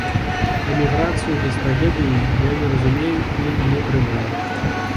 Эміграцыю без трагедыі я не разумею і не прымаю.